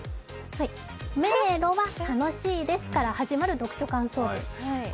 「めいろはたのしいです」から始まる読書感想文。